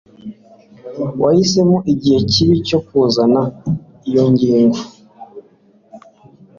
Wahisemo igihe kibi cyo kuzana iyo ngingo.